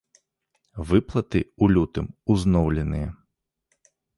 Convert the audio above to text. Выплаты ў лютым узноўленыя.